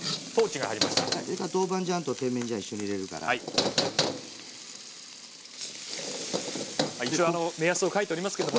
それから豆瓣と甜麺一緒に入れるか一応目安を書いておりますけどもね。